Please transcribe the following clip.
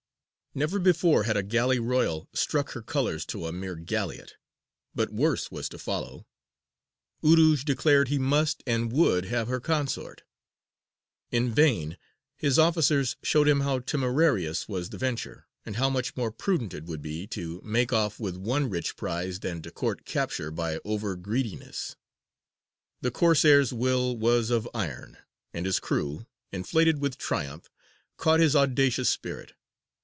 Never before had a galley royal struck her colours to a mere galleot. But worse was to follow. Urūj declared he must and would have her consort. In vain his officers showed him how temerarious was the venture, and how much more prudent it would be to make off with one rich prize than to court capture by overgreediness. The Corsair's will was of iron, and his crew, inflated with triumph, caught his audacious spirit.